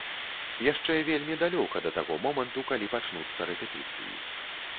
Яшчэ вельмі далёка да таго моманту, калі пачнуцца рэпетыцыі.